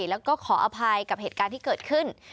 แล้วก็ขออภัยกับเหตุการณ์ที่เกิดขึ้น